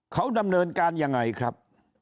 เขาดำเนินการยังไงครับ